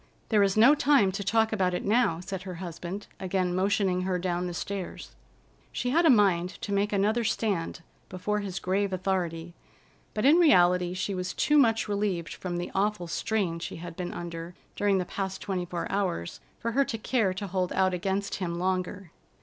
"There is no time to talk about it now," said her husband, again motioning her down the stairs. She had a mind to make another stand before his grave authority, but in reality she was too much relieved from the awful strain she had been under during the past twenty four hours for her to care to hold out against him longer.